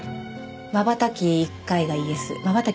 まばたき１回がイエスまばたき